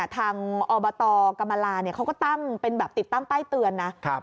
ทางอบตกรรมลาเขาก็ตั้งเป็นแบบติดตั้งป้ายเตือนนะ